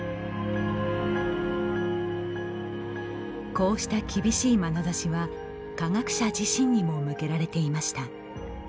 こうした厳しいまなざしは科学者自身にも向けられていました。